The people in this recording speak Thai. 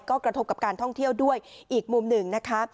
ก็กระทบกับการท่องเที่ยวด้วยอีกมุมหนึ่งนะคะ